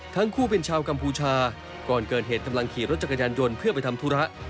ทั้งคู่เป็นชาวกัมพูชาก่อนเกิดเหตุกำลังขี่รถจักรยานยนต์เพื่อไปทำธุระ